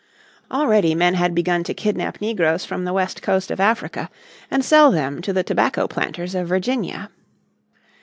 Already men had begun to kidnap negroes from the West Coast of Africa and sell them to the tobacco planters of Virginia.